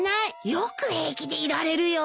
よく平気でいられるよ。